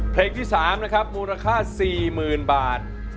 เพลงที่๓นะครับมูลค่า๔๐๐๐บาท